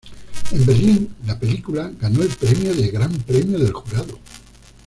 En Berlín, la película ganó el premio del Gran Premio del Jurado.